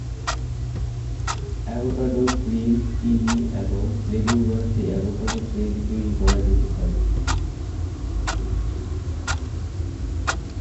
Avocado, cream, চিনি এবং লেবুর রস দিয়ে অ্যাভোকাডো ক্রেজি তৈরি করা যেতে পারে।